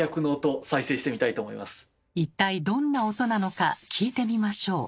じゃあ一体どんな音なのか聞いてみましょう。